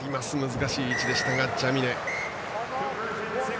難しい位置ですが、ジャミネ。